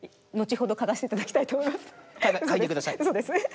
のちほどかがせていただきたいとおもいます。